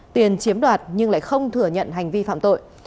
tiền chiếm đoạt nhưng lại không thừa nhận hành vi phạm tội